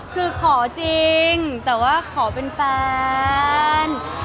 คือขอจริงแต่ว่าขอเป็นแฟน